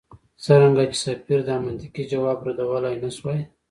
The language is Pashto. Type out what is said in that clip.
څرنګه چې سفیر دا منطقي ځواب ردولای نه شوای.